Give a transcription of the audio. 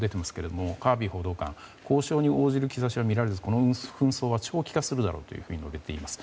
カービー報道官は交渉に応じる兆しは見られずこの紛争は長期化するだろうと述べています。